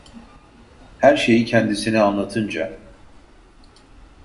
Her şeyi kendisine anlatınca…